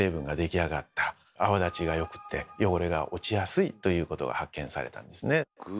泡立ちがよくて汚れが落ちやすいということが発見されたんですね。